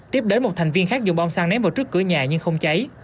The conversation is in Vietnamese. tiếp đến một thành viên khác dùng bom xăng ném vào trước cửa nhà nhưng không cháy